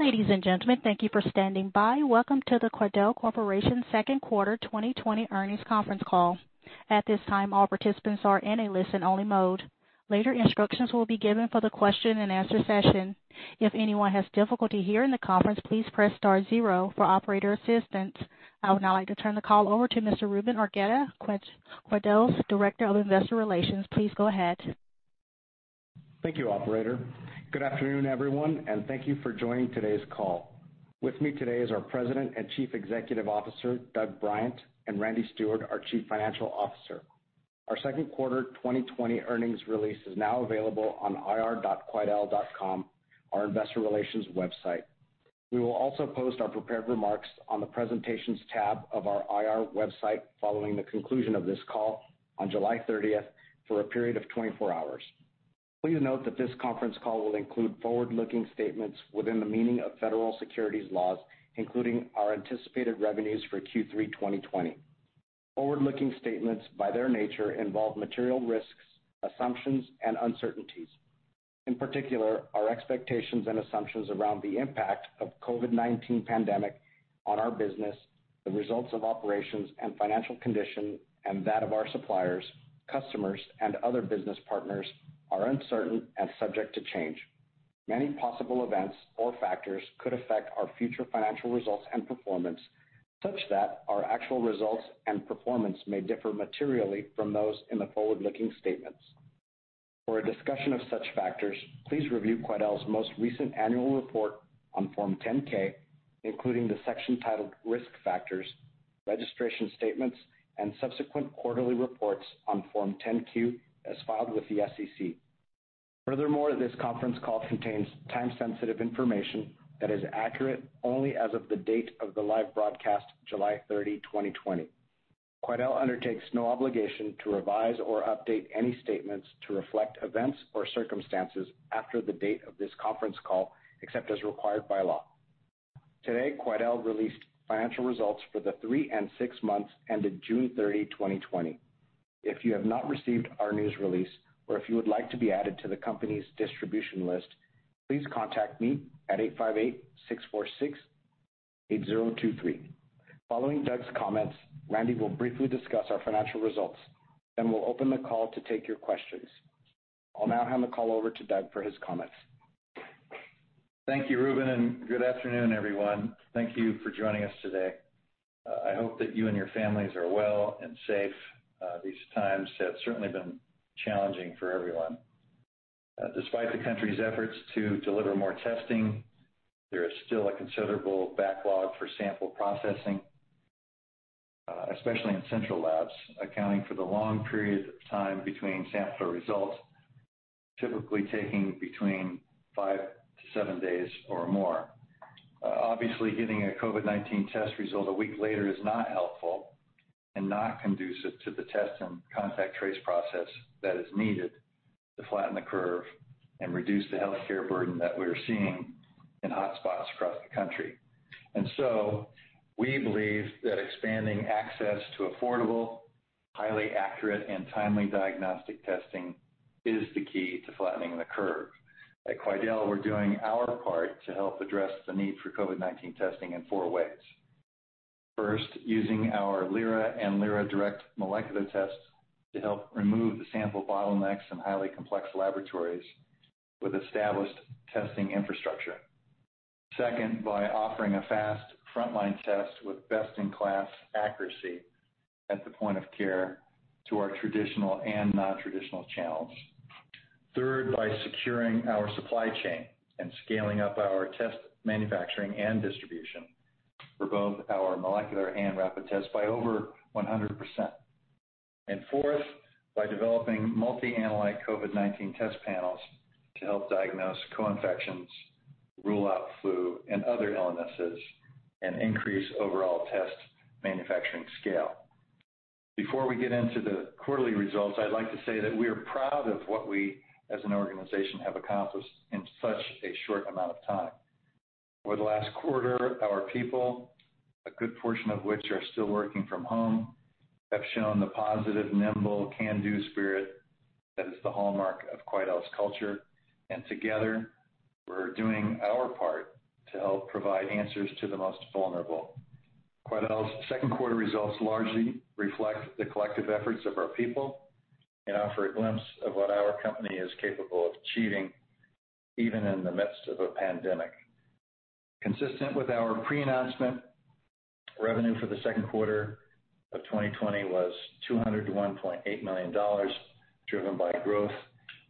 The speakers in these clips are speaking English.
Ladies and gentlemen, thank you for standing by. Welcome to the Quidel Corporation second quarter 2020 earnings conference call. At this time, all participants are in a listen-only mode. Later instructions will be given for the question-and-answer session. If anyone has difficulty hearing the conference, please press star zero for operator assistance. I would now like to turn the call over to Mr. Ruben Argueta, Quidel's Director of Investor Relations. Please go ahead. Thank you, operator. Good afternoon, everyone, and thank you for joining today's call. With me today is our President and Chief Executive Officer, Doug Bryant, and Randy Steward, our Chief Financial Officer. Our second quarter 2020 earnings release is now available on ir.quidel.com, our investor relations website. We will also post our prepared remarks on the presentations tab of our IR website following the conclusion of this call on July 30th for a period of 24 hours. Please note that this conference call will include forward-looking statements within the meaning of Federal Securities laws, including our anticipated revenues for Q3 2020. Forward-looking statements, by their nature, involve material risks, assumptions, and uncertainties. In particular, our expectations and assumptions around the impact of COVID-19 pandemic on our business, the results of operations and financial condition, and that of our suppliers, customers, and other business partners are uncertain and subject to change. Many possible events or factors could affect our future financial results and performance, such that our actual results and performance may differ materially from those in the forward-looking statements. For a discussion of such factors, please review Quidel's most recent annual report on Form 10-K, including the section titled Risk Factors, registration statements, and subsequent quarterly reports on Form 10-Q as filed with the SEC. Furthermore, this conference call contains time-sensitive information that is accurate only as of the date of the live broadcast, July 30, 2020. Quidel undertakes no obligation to revise or update any statements to reflect events or circumstances after the date of this conference call, except as required by law. Today, Quidel released financial results for the three and six months ended June 30, 2020. If you have not received our news release, or if you would like to be added to the company's distribution list, please contact me at 858-646-8023. Following Doug's comments, Randy will briefly discuss our financial results, then we'll open the call to take your questions. I'll now hand the call over to Doug for his comments. Thank you, Ruben. Good afternoon, everyone. Thank you for joining us today. I hope that you and your families are well and safe. These times have certainly been challenging for everyone. Despite the country's efforts to deliver more testing, there is still a considerable backlog for sample processing, especially in central labs, accounting for the long period of time between sample results, typically taking between five to seven days or more. Obviously, getting a COVID-19 test result a week later is not helpful and not conducive to the test and contact trace process that is needed to flatten the curve and reduce the healthcare burden that we're seeing in hot spots across the country. We believe that expanding access to affordable, highly accurate, and timely diagnostic testing is the key to flattening the curve. At Quidel, we're doing our part to help address the need for COVID-19 testing in four ways. First, using our Lyra and Lyra Direct molecular tests to help remove the sample bottlenecks in highly complex laboratories with established testing infrastructure. Second, by offering a fast frontline test with best-in-class accuracy at the point of care to our traditional and non-traditional channels. Third, by securing our supply chain and scaling up our test manufacturing and distribution for both our molecular and rapid tests by over 100%. Fourth, by developing multi-analyte COVID-19 test panels to help diagnose co-infections, rule out flu and other illnesses, and increase overall test manufacturing scale. Before we get into the quarterly results, I'd like to say that we are proud of what we as an organization have accomplished in such a short amount of time. Over the last quarter, our people, a good portion of which are still working from home, have shown the positive, nimble, can-do spirit that is the hallmark of Quidel's culture, and together, we're doing our part to help provide answers to the most vulnerable. Quidel's second quarter results largely reflect the collective efforts of our people and offer a glimpse of what our company is capable of achieving even in the midst of a pandemic. Consistent with our pre-announcement, revenue for the second quarter of 2020 was $201.8 million, driven by growth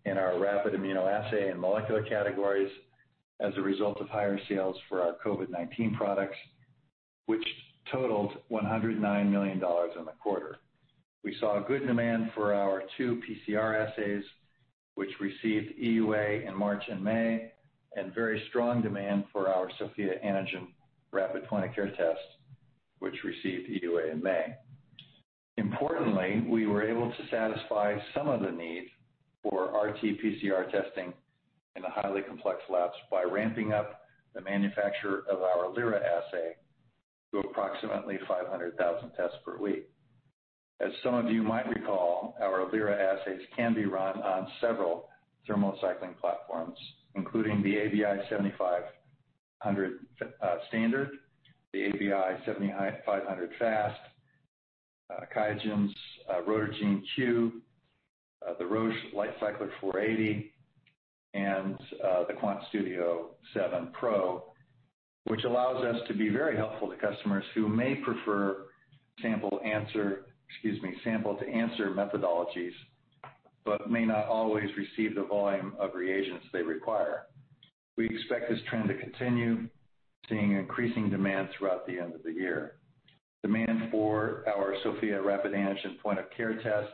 in our rapid immunoassay and molecular categories as a result of higher sales for our COVID-19 products, which totaled $109 million in the quarter. We saw good demand for our two PCR assays, which received EUA in March and May, and very strong demand for our Sofia Antigen rapid point-of-care test, which received EUA in May. Importantly, we were able to satisfy some of the need for RT-PCR testing in the highly complex labs by ramping up the manufacture of our Lyra Assay to approximately 500,000 tests per week. As some of you might recall, our Lyra Assays can be run on several thermal cycling platforms, including the ABI 7500 Standard, the ABI 7500 Fast, QIAGEN's Rotor-Gene Q, the Roche LightCycler 480, and the QuantStudio 7 Pro, which allows us to be very helpful to customers who may prefer sample-to-answer methodologies, but may not always receive the volume of reagents they require. We expect this trend to continue, seeing increasing demand throughout the end of the year. Demand for our Sofia Rapid Antigen point-of-care test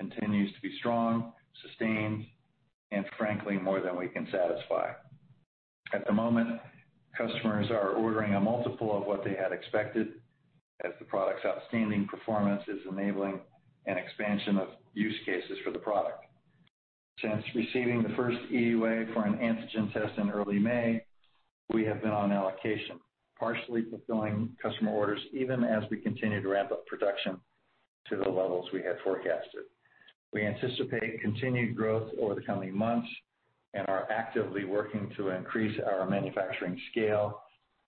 continues to be strong, sustained, and frankly, more than we can satisfy. At the moment, customers are ordering a multiple of what they had expected as the product's outstanding performance is enabling an expansion of use cases for the product. Since receiving the first EUA for an antigen test in early May, we have been on allocation, partially fulfilling customer orders, even as we continue to ramp up production to the levels we had forecasted. We anticipate continued growth over the coming months and are actively working to increase our manufacturing scale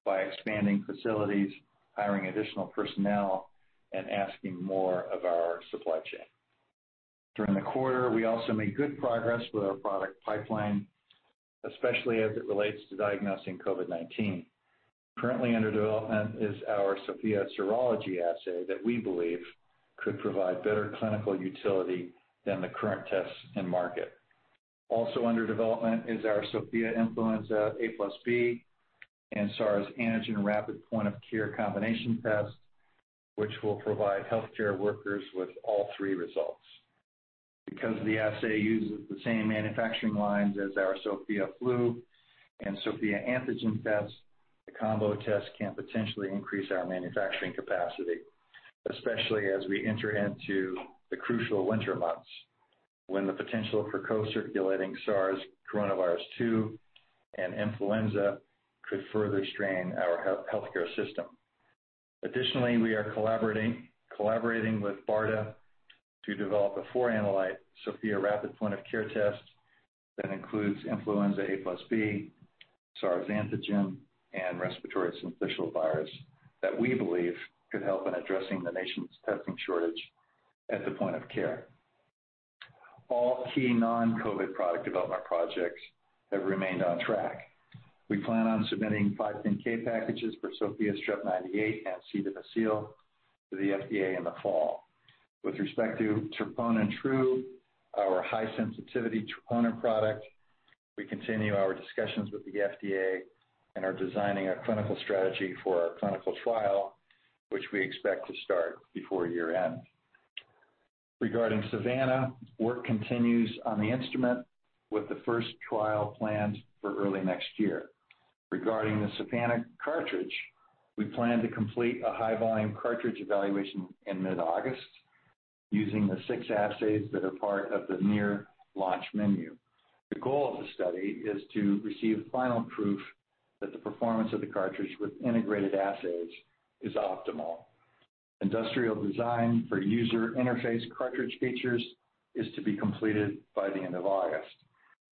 by expanding facilities, hiring additional personnel, and asking more of our supply chain. During the quarter, we also made good progress with our product pipeline, especially as it relates to diagnosing COVID-19. Currently under development is our Sofia Serology Assay that we believe could provide better clinical utility than the current tests in market. Also under development is our Sofia Influenza A+B and SARS Antigen rapid point-of-care combination test, which will provide healthcare workers with all three results. Because the assay uses the same manufacturing lines as our Sofia Flu and Sofia Antigen tests, the combo test can potentially increase our manufacturing capacity, especially as we enter into the crucial winter months, when the potential for co-circulating SARS-CoV-2 and influenza could further strain our healthcare system. Additionally, we are collaborating with BARDA to develop a four-analyte Sofia rapid point-of-care test that includes influenza A+B, SARS Antigen, and respiratory syncytial virus, that we believe could help in addressing the nation's testing shortage at the point of care. All key non-COVID product development projects have remained on track. We plan on submitting 510(k) packages for Sofia Strep A+ and C. difficile to the FDA in the fall. With respect to TriageTrue, our high-sensitivity troponin product, we continue our discussions with the FDA and are designing a clinical strategy for our clinical trial, which we expect to start before year-end. Regarding Savanna, work continues on the instrument with the first trial planned for early next year. Regarding the Savanna cartridge, we plan to complete a high-volume cartridge evaluation in mid-August using the six assays that are part of the near-launch menu. The goal of the study is to receive final proof that the performance of the cartridge with integrated assays is optimal. Industrial design for user interface cartridge features is to be completed by the end of August.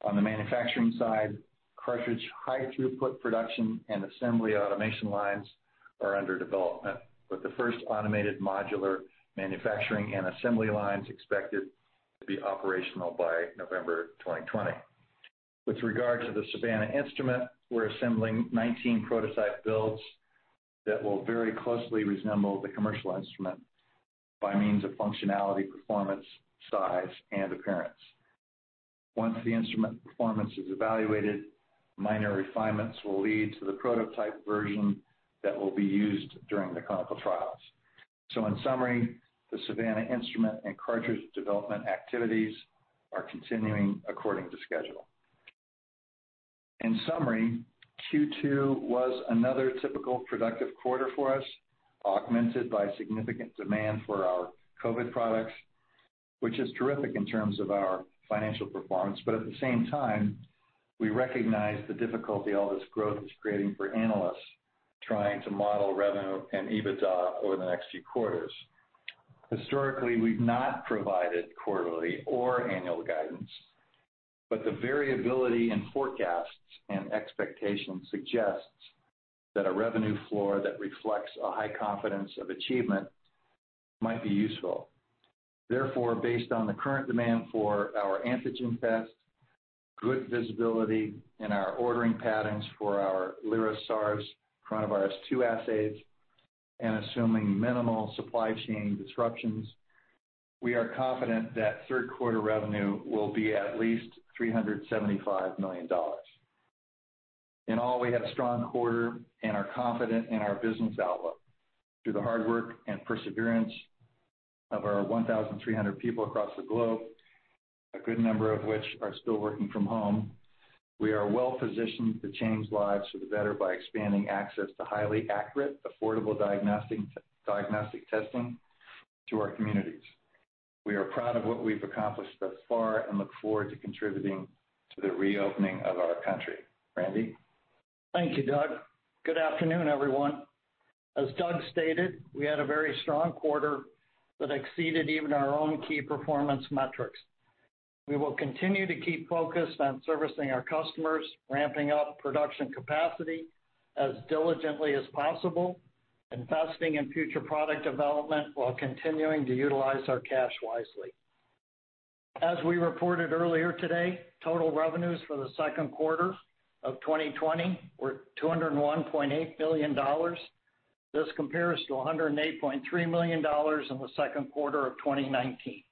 On the manufacturing side, cartridge high throughput production and assembly automation lines are under development, with the first automated modular manufacturing and assembly lines expected to be operational by November 2020. With regard to the Savanna instrument, we're assembling 19 prototype builds that will very closely resemble the commercial instrument by means of functionality, performance, size, and appearance. Once the instrument performance is evaluated, minor refinements will lead to the prototype version that will be used during the clinical trials. In summary, the Savanna instrument and cartridge development activities are continuing according to schedule. In summary, Q2 was another typical productive quarter for us, augmented by significant demand for our COVID products, which is terrific in terms of our financial performance. At the same time, we recognize the difficulty all this growth is creating for analysts trying to model revenue and EBITDA over the next few quarters. Historically, we've not provided quarterly or annual guidance, but the variability in forecasts and expectations suggests that a revenue floor that reflects a high confidence of achievement might be useful. Therefore, based on the current demand for our antigen test, good visibility in our ordering patterns for our Lyra SARS-CoV-2 Assays, and assuming minimal supply chain disruptions, we are confident that third quarter revenue will be at least $375 million. In all, we had a strong quarter and are confident in our business outlook. Through the hard work and perseverance of our 1,300 people across the globe, a good number of which are still working from home, we are well-positioned to change lives for the better by expanding access to highly accurate, affordable diagnostic testing to our communities. We are proud of what we've accomplished thus far and look forward to contributing to the reopening of our country. Randy? Thank you, Doug. Good afternoon, everyone. As Doug stated, we had a very strong quarter that exceeded even our own key performance metrics. We will continue to keep focused on servicing our customers, ramping up production capacity as diligently as possible, investing in future product development while continuing to utilize our cash wisely. As we reported earlier today, total revenues for the second quarter of 2020 were $201.8 million. This compares to $108.3 million in the second quarter of 2019.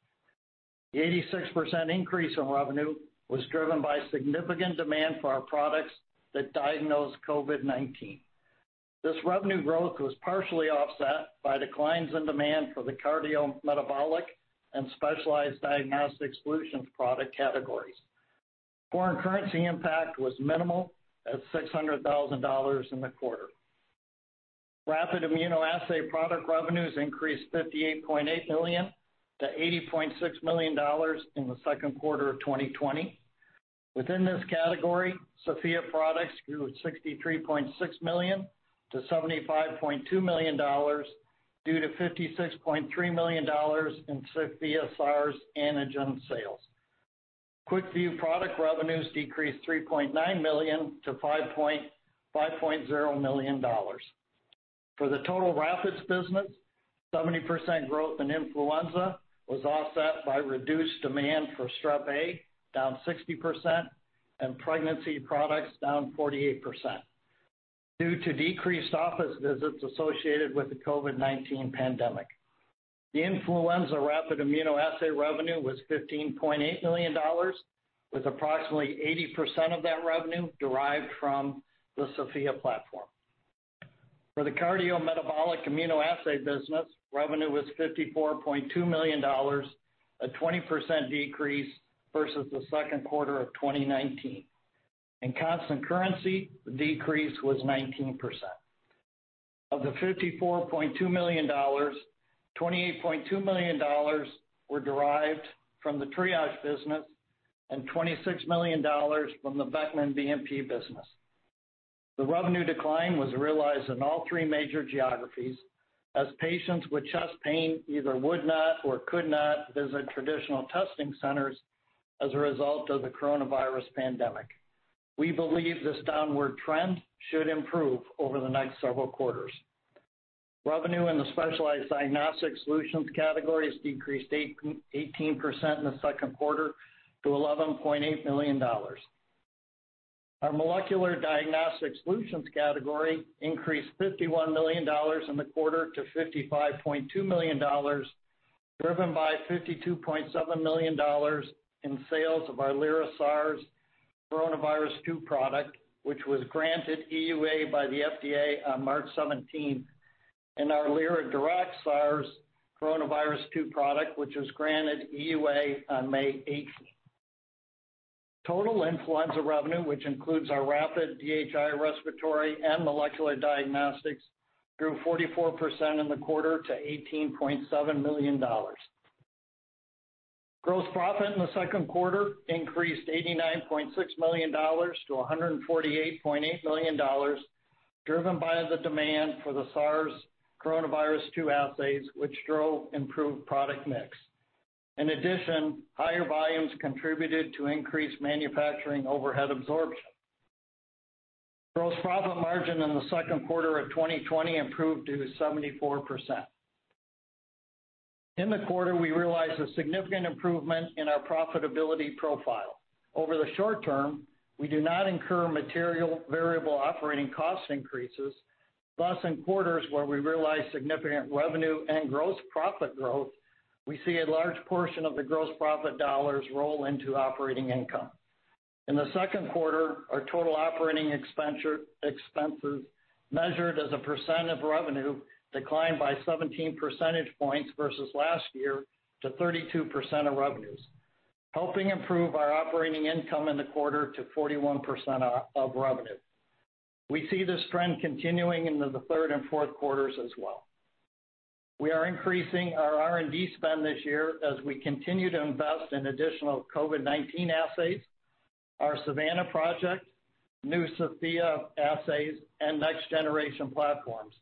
The 86% increase in revenue was driven by significant demand for our products that diagnose COVID-19. This revenue growth was partially offset by declines in demand for the cardiometabolic and specialized diagnostic solutions product categories. Foreign currency impact was minimal at $600,000 in the quarter. Rapid immunoassay product revenues increased $58.8 million to $80.6 million in the second quarter of 2020. Within this category, Sofia products grew $63.6 million to $75.2 million due to $56.3 million in Sofia SARS Antigen sales. QuickVue product revenues decreased $3.9 million to $5.0 million. For the total rapids business, 70% growth in influenza was offset by reduced demand for Strep A, down 60%, and pregnancy products down 48% due to decreased office visits associated with the COVID-19 pandemic. The influenza rapid immunoassay revenue was $15.8 million, with approximately 80% of that revenue derived from the Sofia platform. For the cardiometabolic immunoassay business, revenue was $54.2 million, a 20% decrease versus the second quarter of 2019. In constant currency, the decrease was 19%. Of the $54.2 million, $28.2 million were derived from the Triage business and $26 million from the Beckman BNP business. The revenue decline was realized in all three major geographies as patients with chest pain either would not or could not visit traditional testing centers as a result of the COVID-19 pandemic. We believe this downward trend should improve over the next several quarters. Revenue in the specialized diagnostic solutions categories decreased 18% in the second quarter to $11.8 million. Our molecular diagnostic solutions category increased $51 million in the quarter to $55.2 million, driven by $52.7 million in sales of our Lyra SARS-CoV-2 Assay, which was granted EUA by the FDA on March 17, and our Lyra Direct SARS-CoV-2 Assay, which was granted EUA on May 18. Total influenza revenue, which includes our rapid DFA respiratory and molecular diagnostics, grew 44% in the quarter to $18.7 million. Gross profit in the second quarter increased $89.6 million to $148.8 million, driven by the demand for the SARS Coronavirus-2 Assays, which drove improved product mix. In addition, higher volumes contributed to increased manufacturing overhead absorption. Gross profit margin in the second quarter of 2020 improved to 74%. In the quarter, we realized a significant improvement in our profitability profile. Over the short term, we do not incur material variable operating cost increases. Thus, in quarters where we realize significant revenue and gross profit growth, we see a large portion of the gross profit dollars roll into operating income. In the second quarter, our total operating expenses measured as a percent of revenue declined by 17 percentage points versus last year to 32% of revenues, helping improve our operating income in the quarter to 41% of revenue. We see this trend continuing into the third and fourth quarters as well. We are increasing our R&D spend this year as we continue to invest in additional COVID-19 Assay, our Savanna project, new Sofia Assay, and next generation platforms,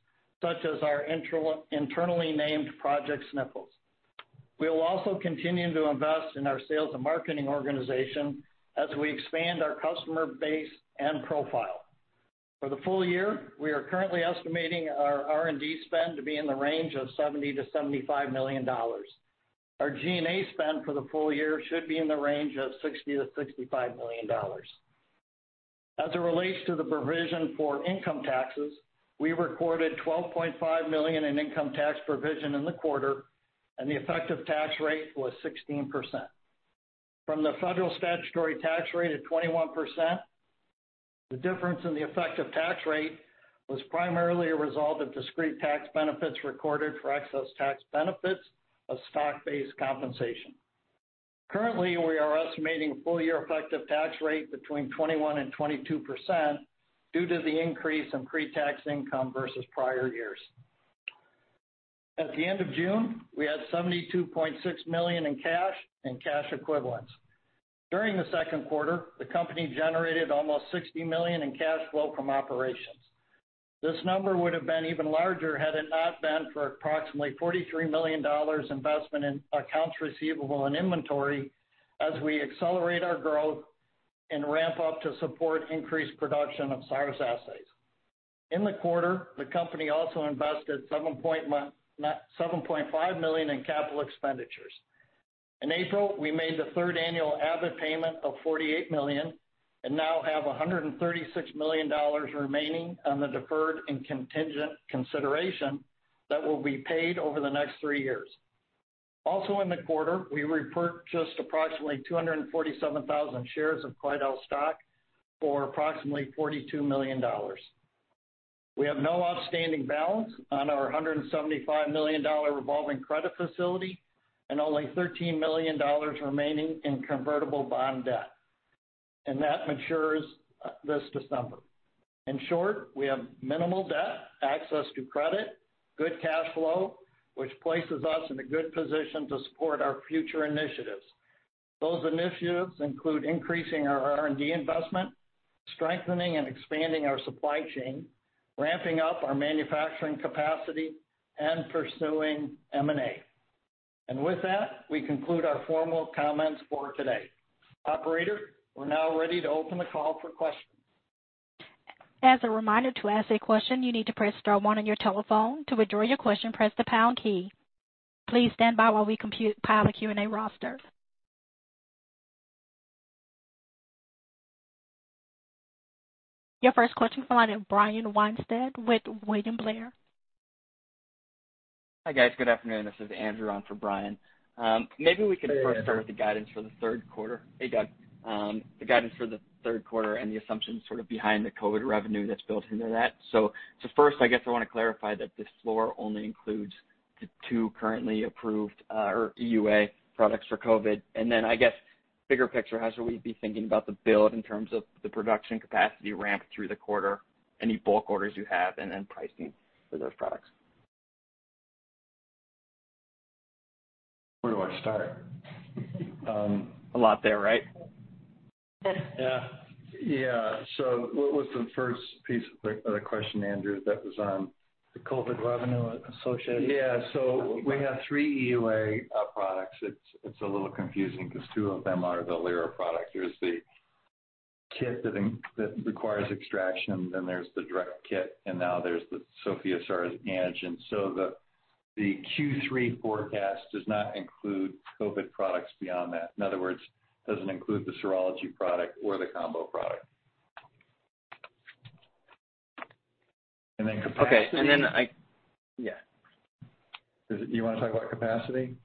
such as our internally named Project Sniffles. We will also continue to invest in our sales and marketing organization as we expand our customer base and profile. For the full year, we are currently estimating our R&D spend to be in the range of $70 million-$75 million. Our G&A spend for the full year should be in the range of $60 million-$65 million. As it relates to the provision for income taxes, we recorded $12.5 million in income tax provision in the quarter, and the effective tax rate was 16%. From the federal statutory tax rate of 21%, the difference in the effective tax rate was primarily a result of discrete tax benefits recorded for excess tax benefits of stock-based compensation. Currently, we are estimating full year effective tax rate between 21% and 22% due to the increase in pre-tax income versus prior years. At the end of June, we had $72.6 million in cash and cash equivalents. During the second quarter, the company generated almost $60 million in cash flow from operations. This number would've been even larger had it not been for approximately $43 million investment in accounts receivable and inventory as we accelerate our growth and ramp up to support increased production of SARS Assay. In the quarter, the company also invested $7.5 million in capital expenditures. In April, we made the third annual Abbott payment of $48 million and now have $136 million remaining on the deferred and contingent consideration that will be paid over the next three years. Also in the quarter, we repurchased approximately 247,000 shares of Quidel stock for approximately $42 million. We have no outstanding balance on our $175 million revolving credit facility and only $13 million remaining in convertible bond debt, and that matures this December. In short, we have minimal debt, access to credit, good cash flow, which places us in a good position to support our future initiatives. Those initiatives include increasing our R&D investment, strengthening and expanding our supply chain, ramping up our manufacturing capacity, and pursuing M&A. With that, we conclude our formal comments for today. Operator, we're now ready to open the call for questions. As a reminder, to ask a question, you need to press star one on your telephone. To withdraw your question, press the pound key. Please stand by while we compile a Q&A roster. Your first question is from Brian Weinstein with William Blair. Hi, guys. Good afternoon. This is Andrew on for Brian. Maybe we can first start. Hey, Andrew. with the guidance for the third quarter. Hey, Doug. The guidance for the third quarter and the assumptions sort of behind the COVID revenue that's built into that. First, I guess I want to clarify that this floor only includes the two currently approved, or EUA products for COVID, and then I guess bigger picture, how should we be thinking about the build in terms of the production capacity ramp through the quarter, any bulk orders you have, and then pricing for those products? Where do I start? A lot there, right? Yeah. What was the first piece of the question, Andrew? The COVID revenue associated. Yeah. We have three EUA products. It's a little confusing because two of them are the Lyra product. There's the kit that requires extraction, then there's the Direct kit, and now there's the Sofia SARS Antigen. The Q3 forecast does not include COVID products beyond that. In other words, doesn't include the serology product or the combo product. Okay. Yeah. Do you wanna talk about capacity?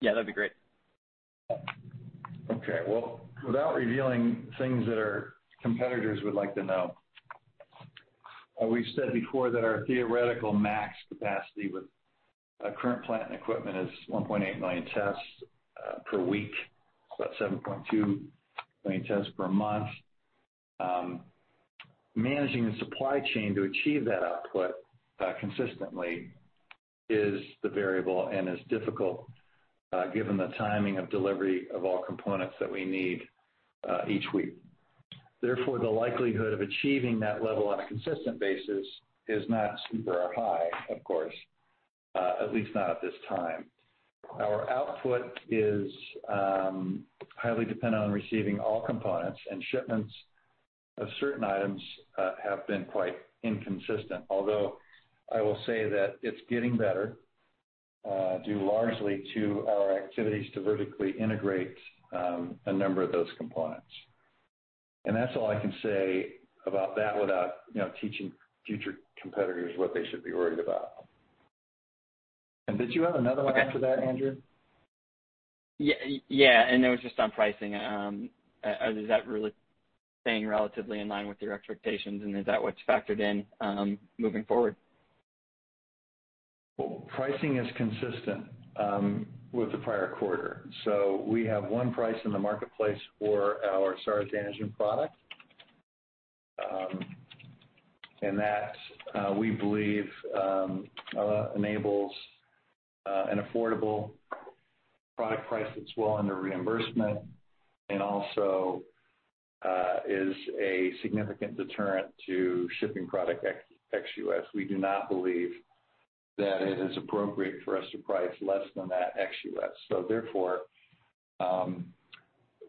Yeah, that'd be great. Okay. Well, without revealing things that our competitors would like to know, we've said before that our theoretical max capacity with our current plant and equipment is 1.8 million tests per week. That's 7.2 million tests per month. Managing the supply chain to achieve that output consistently is the variable and is difficult given the timing of delivery of all components that we need each week. Therefore, the likelihood of achieving that level on a consistent basis is not super high, of course, at least not at this time. Our output is highly dependent on receiving all components, and shipments of certain items have been quite inconsistent. Although, I will say that it's getting better due largely to our activities to vertically integrate a number of those components. That's all I can say about that without, you know, teaching future competitors what they should be worried about. Did you have another one after that, Andrew? Yeah, and it was just on pricing. Is that really staying relatively in line with your expectations, and is that what's factored in moving forward? Pricing is consistent with the prior quarter. We have one price in the marketplace for our SARS Antigen product, and that we believe enables an affordable product price that's well under reimbursement and also is a significant deterrent to shipping product ex-U.S. We do not believe that it is appropriate for us to price less than that ex-U.S.,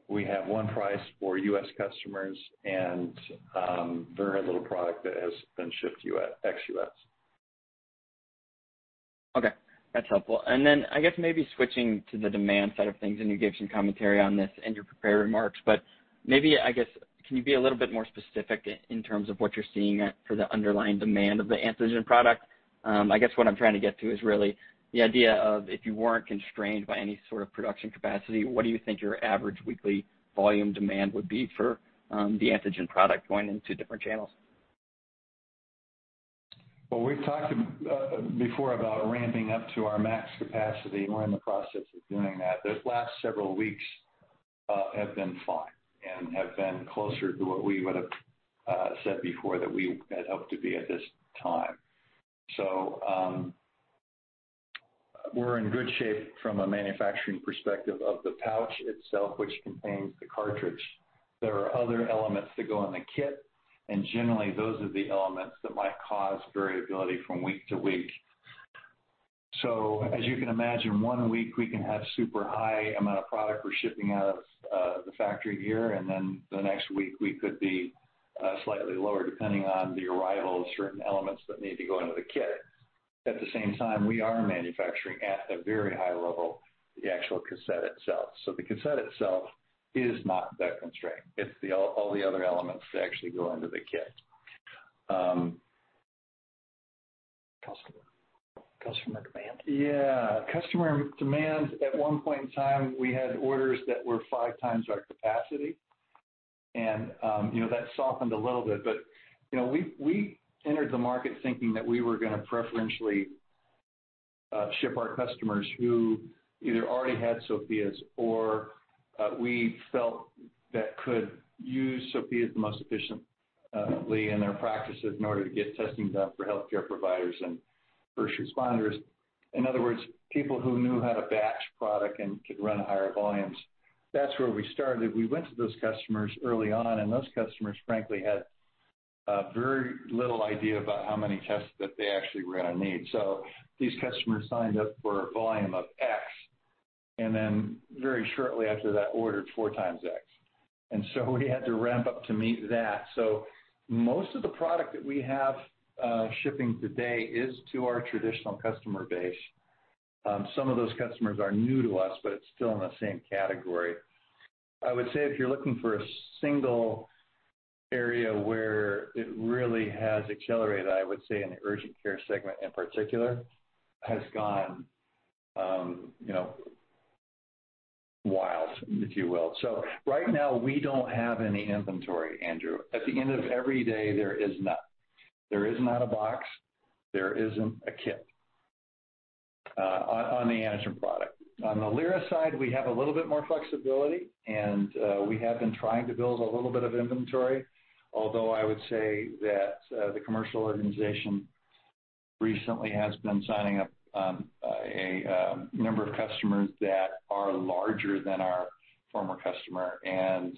we have one price for U.S. customers and very little product that has been shipped ex-U.S. Okay. That's helpful. Then I guess maybe switching to the demand side of things, and you gave some commentary on this in your prepared remarks, but maybe, I guess, can you be a little bit more specific in terms of what you're seeing for the underlying demand of the antigen product? I guess what I'm trying to get to is really the idea of if you weren't constrained by any sort of production capacity, what do you think your average weekly volume demand would be for, the antigen product going into different channels? Well, we've talked before about ramping up to our max capacity, and we're in the process of doing that. This last several weeks. Have been fine and have been closer to what we would've said before that we had hoped to be at this time. We're in good shape from a manufacturing perspective of the pouch itself, which contains the cartridge. There are other elements that go in the kit, and generally those are the elements that might cause variability from week to week. As you can imagine, one week we can have super high amount of product we're shipping out of the factory here, and then the next week we could be slightly lower depending on the arrival of certain elements that need to go into the kit. At the same time, we are manufacturing at a very high level, the actual cassette itself. The cassette itself is not that constrained. It's all the other elements that actually go into the kit. Customer demand. Yeah. Customer demand, at one point in time, we had orders that were five times our capacity. That softened a little bit. We entered the market thinking that we were going to preferentially ship our customers who either already had Sofias or we felt that could use Sofias the most efficiently in their practices in order to get testing done for healthcare providers and first responders. In other words, people who knew how to batch product and could run higher volumes. That's where we started. We went to those customers early on. Those customers, frankly, had very little idea about how many tests that they actually were going to need. These customers signed up for a volume of X. Very shortly after that ordered four times X. We had to ramp up to meet that. Most of the product that we have shipping today is to our traditional customer base. Some of those customers are new to us, but it's still in the same category. I would say if you're looking for a single area where it really has accelerated, I would say in the urgent care segment in particular, has gone wild, if you will. Right now, we don't have any inventory, Andrew. At the end of every day, there is none. There is not a box, there isn't a kit on the antigen product. On the Lyra side, we have a little bit more flexibility and we have been trying to build a little bit of inventory, although I would say that the commercial organization recently has been signing up a number of customers that are larger than our former customer, and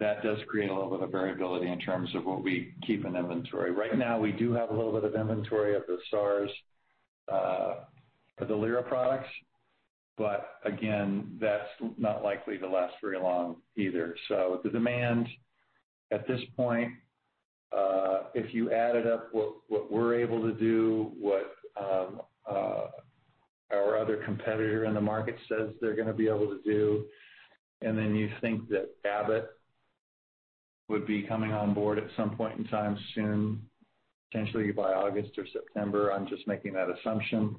that does create a little bit of variability in terms of what we keep in inventory. Right now, we do have a little bit of inventory of the SARS for the Lyra products, but again, that's not likely to last very long either. The demand at this point, if you added up what we're able to do, what our other competitor in the market says they're going to be able to do, and then you think that Abbott would be coming on board at some point in time soon, potentially by August or September, I'm just making that assumption.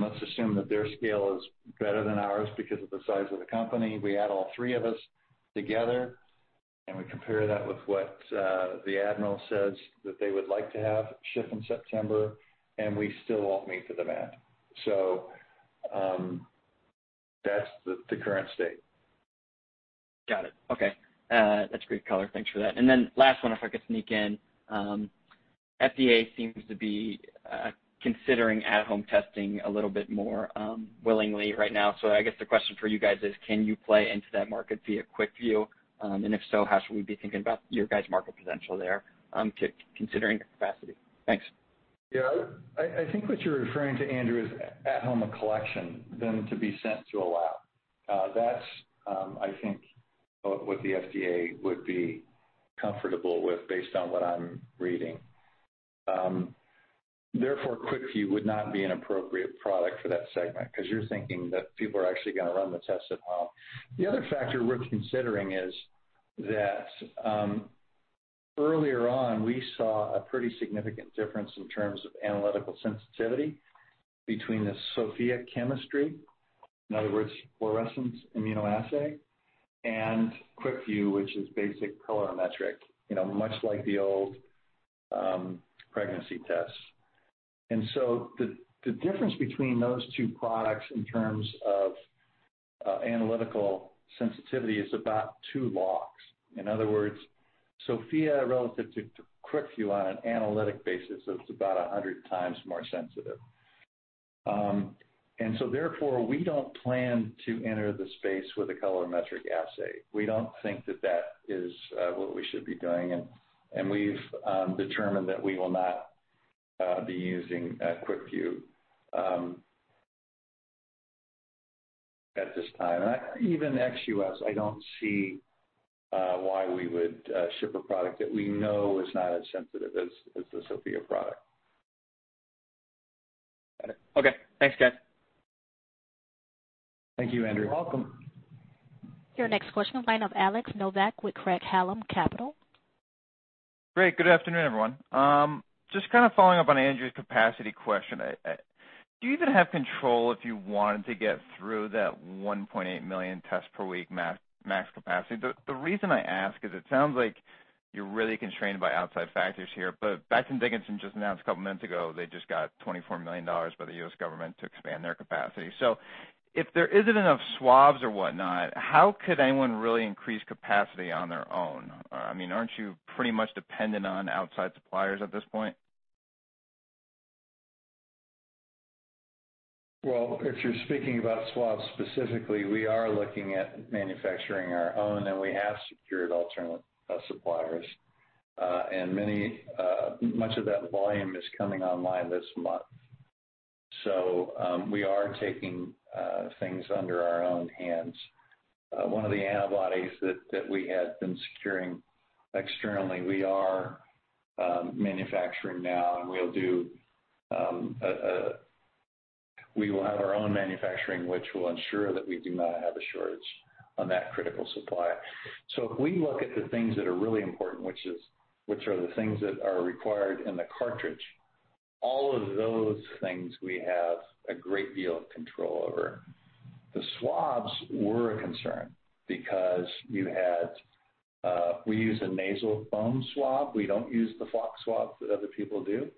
Let's assume that their scale is better than ours because of the size of the company. We add all three of us together, and we compare that with what the Admiral says that they would like to have ship in September, and we still won't meet the demand. That's the current state. Got it. Okay. That's great color. Thanks for that. Last one, if I could sneak in. FDA seems to be considering at-home testing a little bit more willingly right now. I guess the question for you guys is, can you play into that market via QuickVue? If so, how should we be thinking about your guys' market potential there considering your capacity? Thanks. Yeah, I think what you're referring to, Andrew, is at home a collection, then to be sent to a lab. That's, I think, what the FDA would be comfortable with based on what I'm reading. Therefore, QuickVue would not be an appropriate product for that segment because you're thinking that people are actually going to run the test at home. The other factor we're considering is that earlier on, we saw a pretty significant difference in terms of analytical sensitivity between the Sofia chemistry, in other words, fluorescence immunoassay, and QuickVue, which is basic colorimetric, much like the old pregnancy tests. The difference between those two products in terms of analytical sensitivity is about two logs. In other words, Sofia relative to QuickVue on an analytic basis is about 100x more sensitive. Therefore, we don't plan to enter the space with a colorimetric assay. We don't think that that is what we should be doing, and we've determined that we will not be using QuickVue at this time. Even ex U.S., I don't see why we would ship a product that we know is not as sensitive as the Sofia product. Got it. Okay. Thanks, guys. Thank you, Andrew. Welcome. Your next question, line of Alex Nowak with Craig-Hallum Capital. Great. Good afternoon, everyone. Just kind of following up on Andrew's capacity question. Do you even have control if you wanted to get through that 1.8 million test per week max capacity? The reason I ask is it sounds like you're really constrained by outside factors here. Becton Dickinson just announced a couple months ago they just got $24 million by the U.S. government to expand their capacity. If there isn't enough swabs or whatnot, how could anyone really increase capacity on their own? Aren't you pretty much dependent on outside suppliers at this point? Well, if you're speaking about swabs specifically, we are looking at manufacturing our own, and we have secured alternate suppliers. Much of that volume is coming online this month. We are taking things under our own hands. One of the antibodies that we had been securing externally, we are manufacturing now, and we will have our own manufacturing, which will ensure that we do not have a shortage on that critical supply. If we look at the things that are really important, which are the things that are required in the cartridge, all of those things we have a great deal of control over. The swabs were a concern because we use a nasal foam swab. We don't use the flock swab that other people do.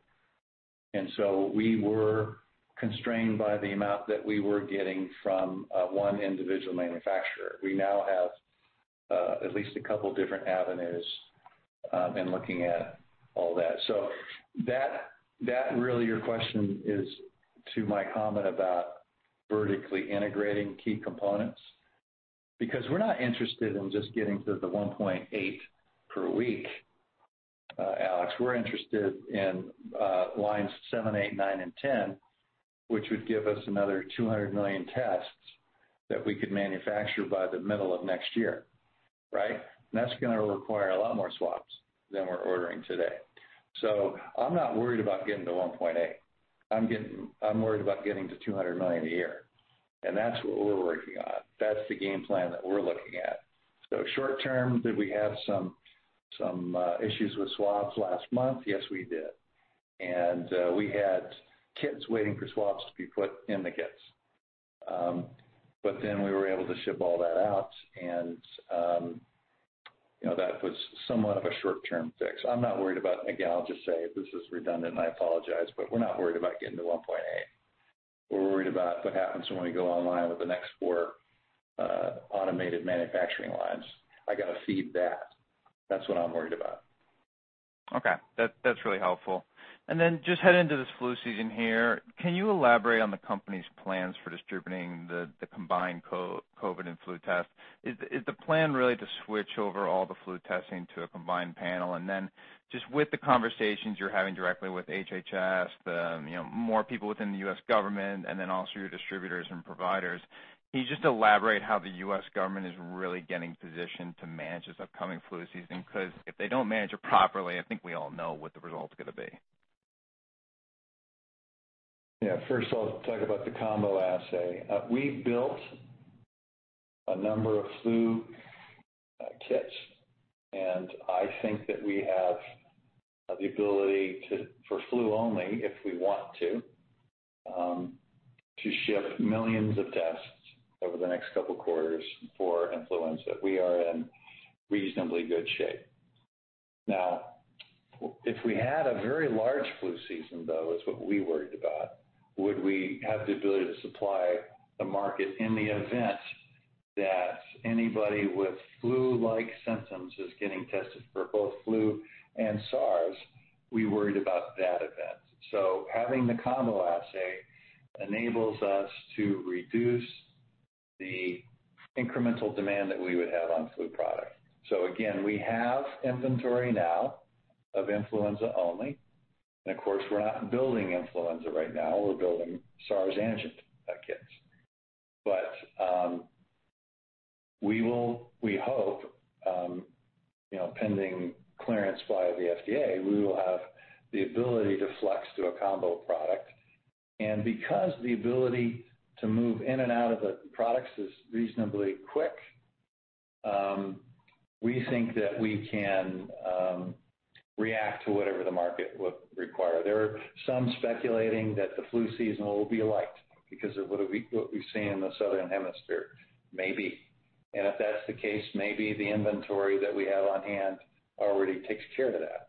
We were constrained by the amount that we were getting from one individual manufacturer. We now have at least a couple different avenues in looking at all that. That, really, your question is to my comment about vertically integrating key components, because we're not interested in just getting to the 1.8 per week, Alex. We're interested in lines seven, eight, nine, and 10, which would give us another 200 million tests that we could manufacture by the middle of next year. Right? That's going to require a lot more swabs than we're ordering today. I'm not worried about getting to 1.8. I'm worried about getting to 200 million a year, and that's what we're working on. That's the game plan that we're looking at. Short term, did we have some issues with swabs last month? Yes, we did. We had kits waiting for swabs to be put in the kits. We were able to ship all that out and that was somewhat of a short-term fix. Again, I'll just say, if this is redundant, I apologize, but we're not worried about getting to 1.8. We're worried about what happens when we go online with the next four automated manufacturing lines. I've got to feed that. That's what I'm worried about. Okay. That's really helpful. Just heading into this flu season here, can you elaborate on the company's plans for distributing the combined COVID and flu test? Is the plan really to switch over all the flu testing to a combined panel? Just with the conversations you're having directly with HHS, more people within the U.S. Government and then also your distributors and providers, can you just elaborate how the U.S. Government is really getting positioned to manage this upcoming flu season? Because if they don't manage it properly, I think we all know what the result's going to be. First, I'll talk about the combo assay. We built a number of flu kits. I think that we have the ability to, for flu only, if we want to ship millions of tests over the next couple quarters for influenza. We are in reasonably good shape. If we had a very large flu season, though, is what we worried about, would we have the ability to supply the market in the event that anybody with flu-like symptoms is getting tested for both flu and SARS? We worried about that event. Having the combo assay enables us to reduce the incremental demand that we would have on flu product. Again, we have inventory now of influenza only. Of course, we're not building influenza right now. We're building SARS antigen kits. We hope, pending clearance via the FDA, we will have the ability to flex to a combo product. Because the ability to move in and out of the products is reasonably quick, we think that we can react to whatever the market would require. There are some speculating that the flu season will be light because of what we've seen in the southern hemisphere. Maybe. If that's the case, maybe the inventory that we have on hand already takes care of that.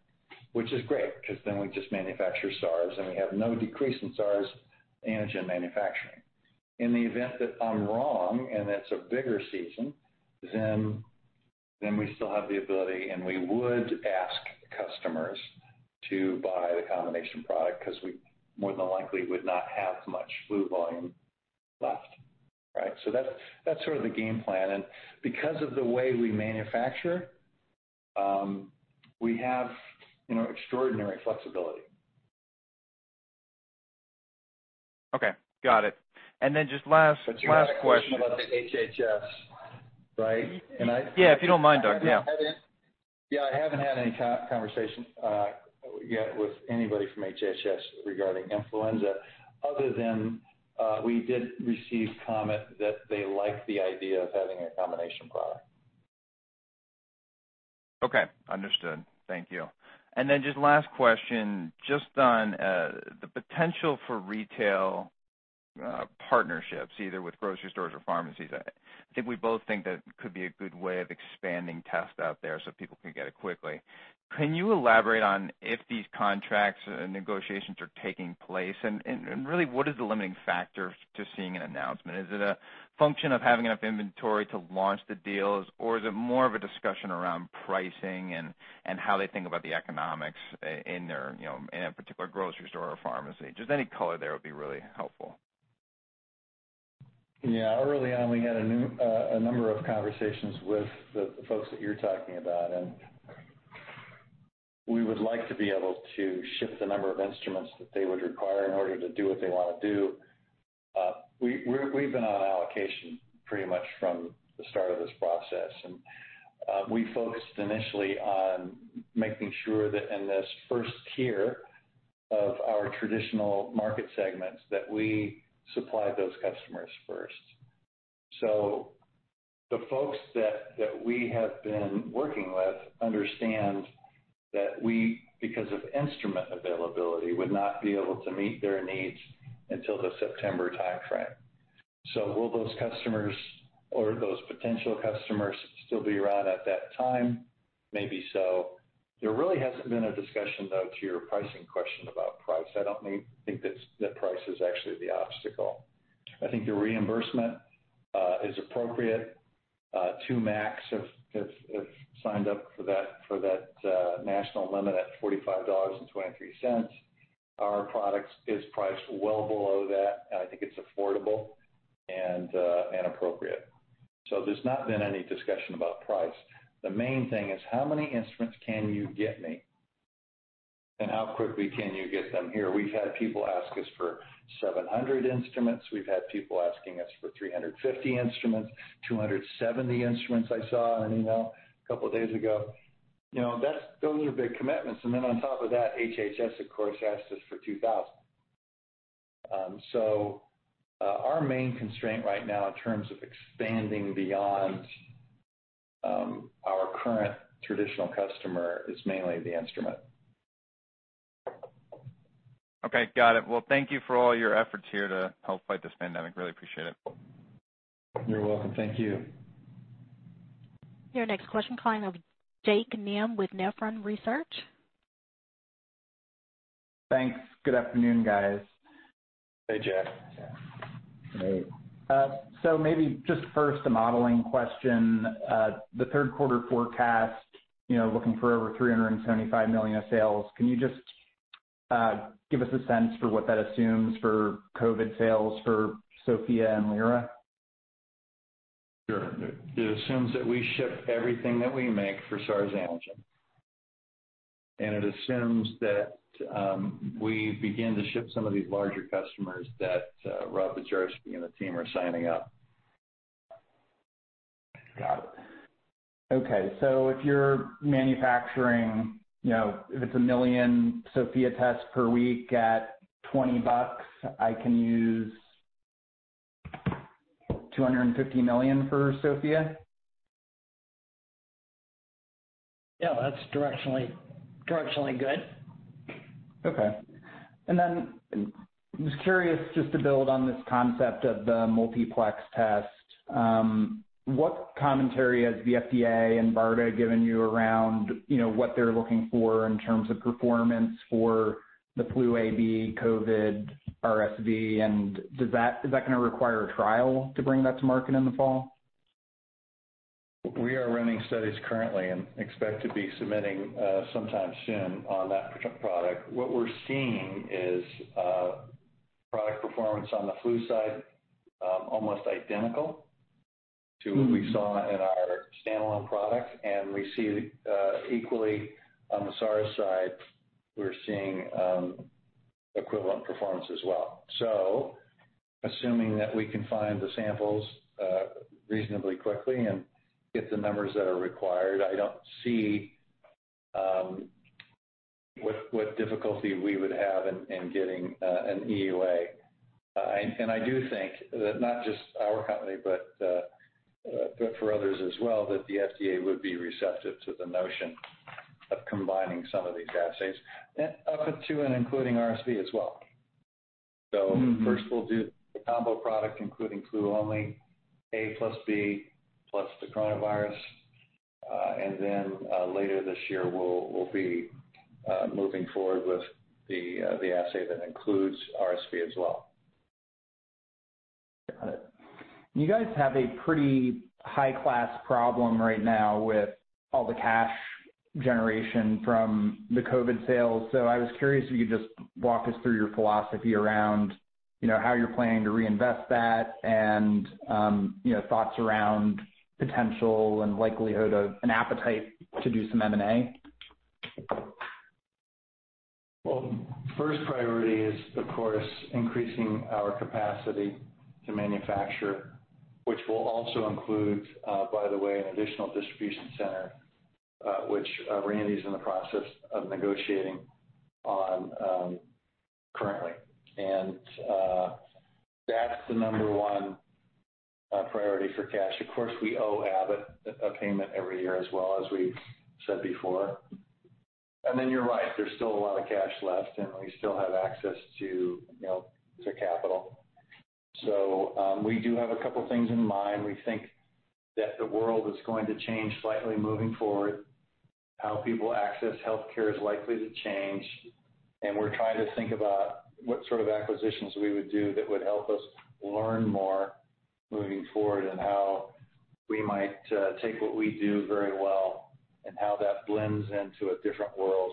Which is great, because then we just manufacture SARS, and we have no decrease in SARS antigen manufacturing. In the event that I'm wrong, and it's a bigger season, then we still have the ability, and we would ask customers to buy the combination product because we more than likely would not have much flu volume left. Right? That's sort of the game plan, and because of the way we manufacture, we have extraordinary flexibility. Okay. Got it. Just last question. You had a question about the HHS, right? Yeah, if you don't mind, Doug. Yeah. I haven't had any conversation yet with anybody from HHS regarding influenza other than we did receive comment that they like the idea of having a combination product. Okay. Understood. Thank you. Then just last question, just on the potential for retail partnerships, either with grocery stores or pharmacies. I think we both think that could be a good way of expanding tests out there so people can get it quickly. Can you elaborate on if these contracts and negotiations are taking place, and really, what is the limiting factor to seeing an announcement? Is it a function of having enough inventory to launch the deals, or is it more of a discussion around pricing and how they think about the economics in a particular grocery store or pharmacy? Just any color there would be really helpful. Yeah. Early on, we had a number of conversations with the folks that you're talking about, and we would like to be able to ship the number of instruments that they would require in order to do what they want to do. We've been on allocation pretty much from the start of this process, and we focused initially on making sure that in this first tier of our traditional market segments, that we supplied those customers first. The folks that we have been working with understand that we, because of instrument availability, would not be able to meet their needs until the September timeframe. Will those customers or those potential customers still be around at that time? Maybe so. There really hasn't been a discussion, though, to your pricing question about price. I don't think that price is actually the obstacle. I think the reimbursement is appropriate to max, if signed up for that national limit at $45.23. Our product is priced well below that, and I think it's affordable and appropriate. There's not been any discussion about price. The main thing is how many instruments can you get me, and how quickly can you get them here? We've had people ask us for 700 instruments. We've had people asking us for 350 instruments, 270 instruments, I saw an email a couple of days ago. Those are big commitments, and then on top of that, HHS, of course, asked us for 2,000. Our main constraint right now in terms of expanding beyond our current traditional customers is mainly the instrument. Okay. Got it. Well, thank you for all your efforts here to help fight this pandemic. Really appreciate it. You're welcome. Thank you. Your next question coming of Jack Meehan with Nephron Research. Thanks. Good afternoon, guys. Hey, Jack. Hey. Maybe just first a modeling question. The third quarter forecast, looking for over $375 million of sales, can you just give us a sense for what that assumes for COVID sales for Sofia and Lyra? Sure. It assumes that we ship everything that we make for SARS antigen, and it assumes that we begin to ship some of these larger customers that Robert Bujarski and the team are signing up. Got it. Okay, if you're manufacturing, if it's a million Sofia tests per week at $20, I can use $250 million for Sofia? Yeah, that's directionally good. Okay. I was curious, just to build on this concept of the multiplex test, what commentary has the FDA and BARDA given you around what they're looking for in terms of performance for the flu A, B, COVID, RSV, and is that going to require a trial to bring that to market in the fall? We are running studies currently and expect to be submitting sometime soon on that product. What we're seeing is product performance on the flu side almost identical to what we saw in our standalone product, and we see equally on the SARS side, we're seeing equivalent performance as well. Assuming that we can find the samples reasonably quickly and get the numbers that are required, I don't see what difficulty we would have in getting an EUA. I do think that not just our company, but for others as well, that the FDA would be receptive to the notion of combining some of these assays, up to and including RSV as well. First we'll do the combo product, including flu only, A+B, plus the coronavirus, and then later this year, we'll be moving forward with the assay that includes RSV as well. Got it. You guys have a pretty high-class problem right now with all the cash generation from the COVID sales, I was curious if you could just walk us through your philosophy around how you're planning to reinvest that and thoughts around potential and likelihood of an appetite to do some M&A. Well, first priority is, of course, increasing our capacity to manufacture, which will also include, by the way, an additional distribution center, which Randy's in the process of negotiating on currently. That's the number one priority for cash. Of course, we owe Abbott a payment every year as well, as we said before. You're right, there's still a lot of cash left, and we still have access to capital. We do have a couple things in mind. We think that the world is going to change slightly moving forward, how people access healthcare is likely to change, and we're trying to think about what sort of acquisitions we would do that would help us learn more moving forward and how we might take what we do very well and how that blends into a different world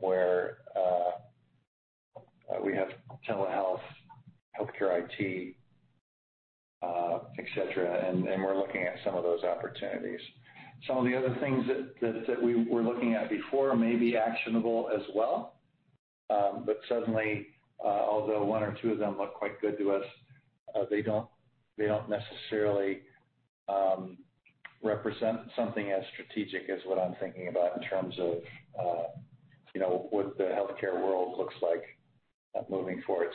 where we have telehealth, healthcare IT, et cetera. We're looking at some of those opportunities. Some of the other things that we were looking at before may be actionable as well, but suddenly, although one or two of them look quite good to us, they don't necessarily represent something as strategic as what I'm thinking about in terms of what the healthcare world looks like moving forward.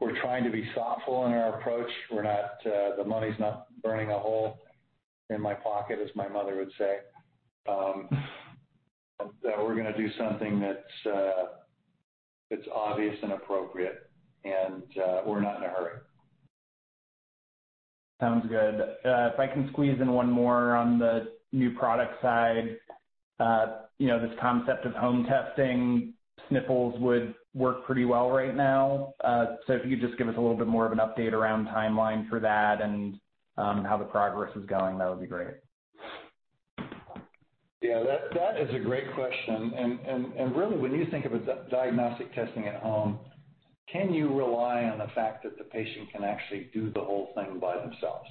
We're trying to be thoughtful in our approach. The money's not burning a hole in my pocket, as my mother would say. We're going to do something that's obvious and appropriate, and we're not in a hurry. Sounds good. If I can squeeze in one more on the new product side. This concept of home testing Sniffles would work pretty well right now. If you could just give us a little bit more of an update around timeline for that and how the progress is going, that would be great. Yeah, that is a great question. Really when you think of diagnostic testing at home, can you rely on the fact that the patient can actually do the whole thing by themselves?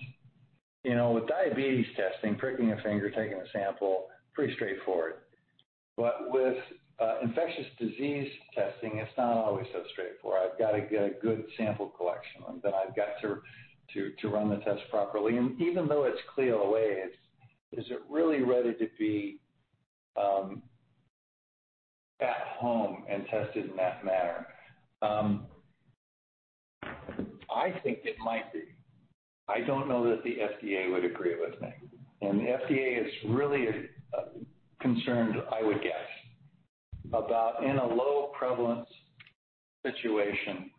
With diabetes testing, pricking a finger, taking a sample, pretty straightforward. With infectious disease testing, it's not always so straightforward. I've got to get a good sample collection, and then I've got to run the test properly. Even though it's CLIA waived, is it really ready to be at home and tested in that manner? I think it might be. I don't know that the FDA would agree with me. The FDA is really concerned, I would guess, about in a low prevalence situation,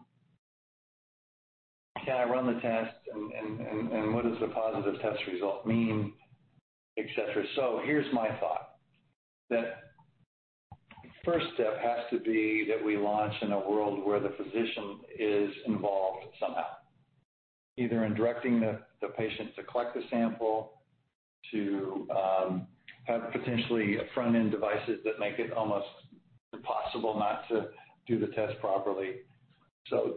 can I run the test and what does the positive test result mean, et cetera. Here's my thought, that first step has to be that we launch in a world where the physician is involved somehow, either in directing the patient to collect the sample, to have potentially front-end devices that make it almost impossible not to do the test properly.